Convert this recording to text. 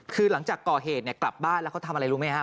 คือหลังจากก่อเหตุเนี่ยกลับบ้านแล้วเขาทำอะไรรู้ไหมฮะ